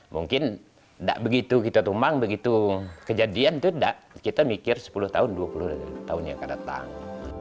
mungkin tidak begitu kita tumbang begitu kejadian itu kita mikir sepuluh tahun dua puluh tahun yang akan datang